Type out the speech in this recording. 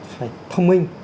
phải thông minh